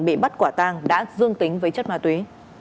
bị bắt quả tang đã dương tính với chất ma túy